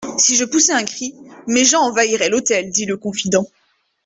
Si je poussais un cri, mes gens envahiraient l'hôtel, dit le confident.